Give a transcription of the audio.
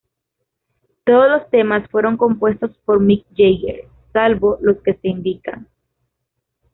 Todos los temas fueron compuestos por Mick Jagger, salvo los que se indican.